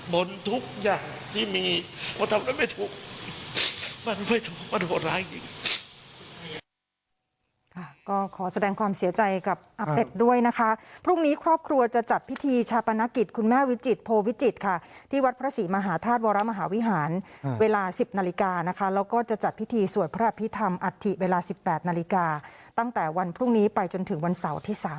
หมดทุกอย่างที่มีว่าทำได้ไม่ถูกมันไม่ถูกมันโหดร้ายอย่างนี้